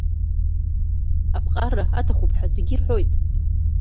Аԥҟарра аҭахуп ҳәа зегьы ирҳәоит.